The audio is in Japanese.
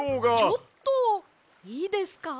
ちょっといいですか？